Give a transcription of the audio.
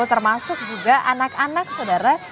termasuk juga anak anak saudara